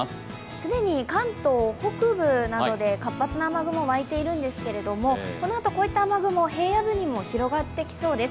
既に関東北部などで活発な雨雲が湧いているんですけれども、このあと、こういった雨雲、平野部にも広がってきそうです。